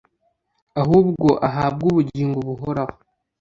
ahubwo ahabwe ubugingo buhoraho